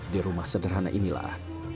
di rumah sederhana inilah